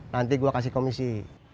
nanti gue kasih komisi